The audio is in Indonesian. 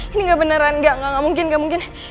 ini gak beneran engga engga gak mungkin gak mungkin